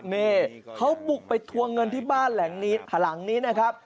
นี่เขาบุกไปทวงเงินที่บ้านหลังนี้หลังนี้นะครับ